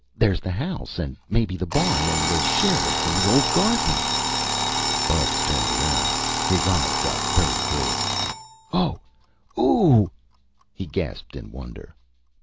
There's the house and maybe the barn and the sheds and the old garden!" Bubs turned around. His eyes got very big. "Oh! O ooh h h!" he gasped in wonder.